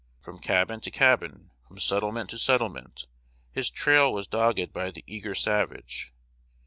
From cabin to cabin, from settlement to settlement, his trail was dogged by the eager savage.